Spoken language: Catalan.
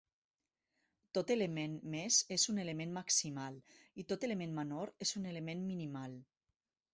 Tot element més és un element maximal, i tot element menor és un element minimal.